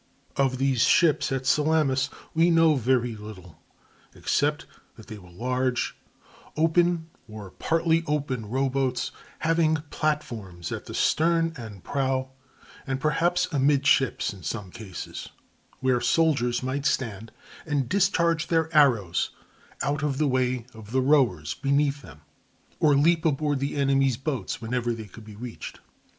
Of these ships at Salamis we know very little, except that they were large, open, or partly open, rowboats, having platforms at the stern and prow, and perhaps amidships in some cases, where soldiers might stand and discharge their arrows out of the way of the rowers beneath them, or leap aboard the enemy's boats whenever they could be reached.